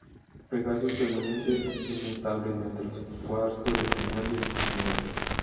Pegasus permanece inmutable durante los cuartos de final y la semifinal.